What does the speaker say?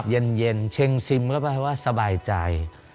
เย็นเช็งซิมก็แปลว่าสบายใจ